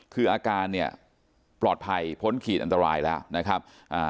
คืออาการปลอดภัยผลเขียนอันตรายแล้วนะครับ